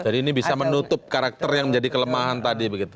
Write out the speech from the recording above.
jadi ini bisa menutup karakter yang menjadi kelemahan tadi begitu